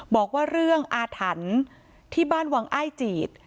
บอกว่าเรื่องอาถรรพ์ที่บ้านวังอ้ายจีด